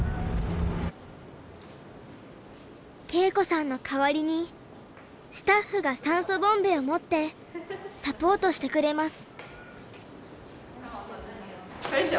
恵子さんの代わりにスタッフが酸素ボンベを持ってサポートしてくれます。